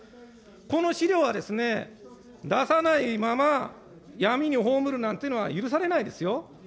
この資料はですね、出さないまま闇に葬るなんていうのは許されないですよ。